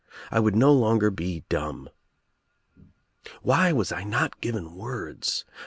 I would no longer be dumb. Why was I not given words?